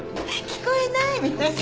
「聞こえない」みたいな。